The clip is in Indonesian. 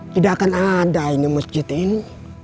tidak akan ada ini masjid ini